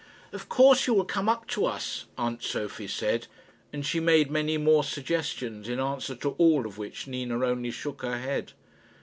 "Of course you will come up to us," aunt Sophie said. And she made many more suggestions, in answer to all of which Nina only shook her head.